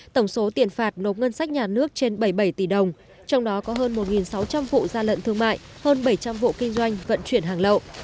tổng số tiền phạt nộp ngân sách nhà nước trên bảy mươi bảy tỷ đồng trong đó có hơn một sáu trăm linh vụ gian lận thương mại hơn bảy trăm linh vụ kinh doanh vận chuyển hàng lậu